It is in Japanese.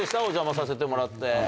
お邪魔させてもらって。